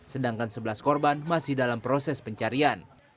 sedangkan sebelas korban masih dalam proses pencarian